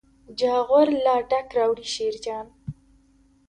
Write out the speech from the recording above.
جاغور لا ډک راوړي شیرجان.